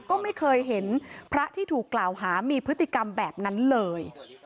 ก็ไม่เคยเห็นพระที่ถูกกล่าวหามีพฤติกรรมแบบนั้นเลย